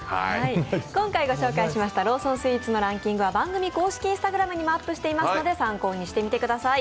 今回ご紹介しましたローソンスイーツのランキングは番組公式Ｉｎｓｔａｇｒａｍにも公開しているので参考にしてみてください。